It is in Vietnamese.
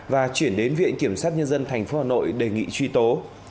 và chuyển đến viện kiểm sát nhân dân tp hcm đề nghị truy tố